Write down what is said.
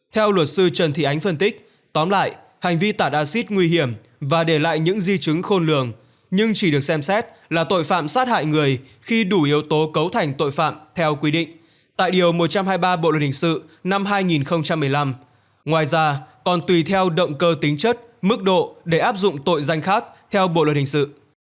theo luật sư trần thị ánh phân tích tóm lại hành vi tạt axit nguy hiểm và để lại những di chứng khôn lường nhưng chỉ được xem xét là tội phạm sát hại người khi đủ yếu tố cấu thành tội phạm theo quy định tại điều một trăm hai mươi ba bộ luật hình sự năm hai nghìn một mươi năm ngoài ra còn tùy theo động cơ tính chất mức độ để áp dụng tội danh khác theo bộ luật hình sự